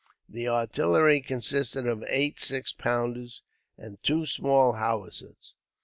The artillery consisted of eight six pounders and two small howitzers.